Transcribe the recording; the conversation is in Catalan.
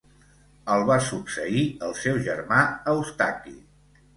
El va succeir el seu germà Eustaqui.